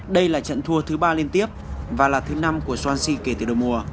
đây là trận thua thứ ba liên tiếp và là thứ năm của soanse kể từ đầu mùa